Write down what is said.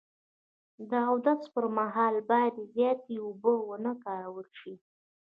د اودس پر مهال باید زیاتې اوبه و نه کارول شي.